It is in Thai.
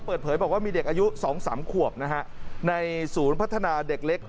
เปิดเผยบอกว่ามีเด็กอายุ๒๓ขวบนะฮะในศูนย์พัฒนาเด็กเล็ก